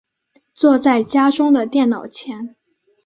坐在家中的电脑前